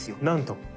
なんと！